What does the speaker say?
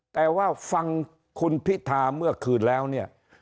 แต่ว่าฟังคุณพิธาเมื่อคืนแล้วเนี่ย